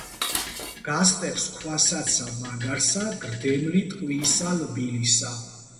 გასტეხს ქვასაცა მაგარსა გრდემლი ტყვიისა ლბილისა